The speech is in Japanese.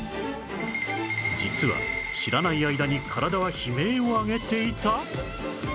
実は知らない間に体は悲鳴を上げていた！？